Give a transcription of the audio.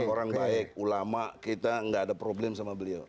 orang baik ulama kita nggak ada problem sama beliau